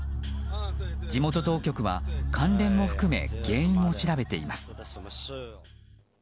地元当局は関連も含め原因を調べています。